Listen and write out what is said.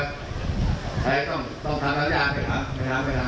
ใครต้องทำอะไรอย่างนี้